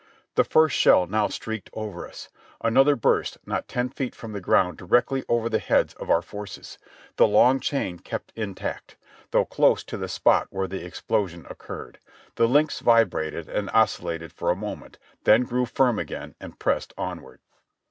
The first shell now shrieked over us. Another burst not ten feet from the ground directly over the heads of our forces. The long chain kept intact, though close to the spot where the explo sion occurred ; the links vibrated and oscillated for a moment, then grew firm again and pressed onward.